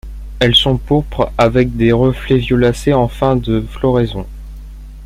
Elles sont pourpres avec des reflets violacés en fin de floraison.